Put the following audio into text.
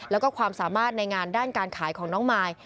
แล้วก็ความสามารถในงานด้านการขายของน้องมาย